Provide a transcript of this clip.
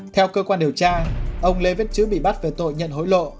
theo cơ quan điều tra ông lê viết chữ bị bắt về tội nhận hối lộ